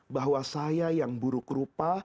bahwa saya yang buruk rupa